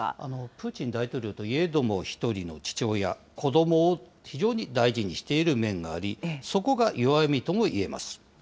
プーチン大統領といえども、一人の父親、子どもを非常に大事にしている面があり、そこが弱みともいえます。